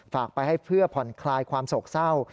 ฝากไปให้เพื่อผ่อนคลายความโศกเศร้า